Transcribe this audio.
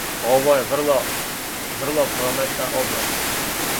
Ово је врло, врло прометна област...